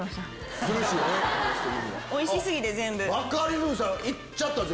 おいし過ぎて全部。